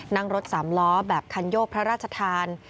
นั่งรถสามล้อแบบคันโยกพระราชทาน